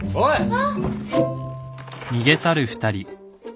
あっ！